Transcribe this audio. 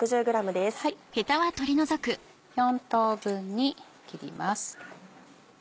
４等分に切ります。